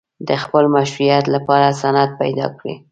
د خپل مشروعیت لپاره سند پیدا کړي.